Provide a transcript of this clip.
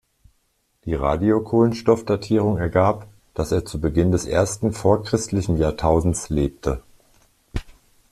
Die Radiokohlenstoffdatierung ergab, dass er zu Beginn des ersten vorchristlichen Jahrtausends lebte.